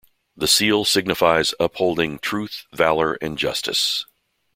The seal signifies upholding Truth, Valour and Justice.